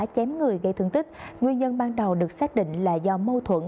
chém người gây thương tích nguyên nhân ban đầu được xác định là do mâu thuẫn